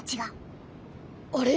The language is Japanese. あれ？